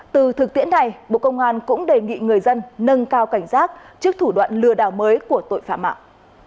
từ thực tiễn này bộ công an cũng đề nghị người dân nâng cao cảnh giác trước thủ đoạn lừa đảo mới của tội phạm mạng